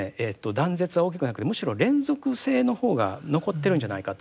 断絶は大きくなくてむしろ連続性の方が残っているんじゃないかと。